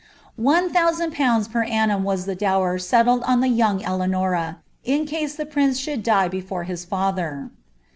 One thousand pounds annam was the dower settled on the young Eleanora, in case the ee should die before his father.